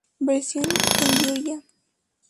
Versión con Giorgia